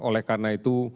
oleh karena itu